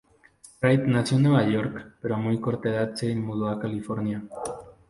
Strait nació en Nueva York pero a muy corta edad se mudó a California.